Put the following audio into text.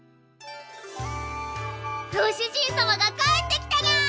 ご主人様が帰ってきたにゃ！